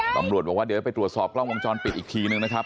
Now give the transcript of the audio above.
ตำรวจบอกว่าเดี๋ยวไปตรวจสอบกล้องวงจรปิดอีกทีนึงนะครับ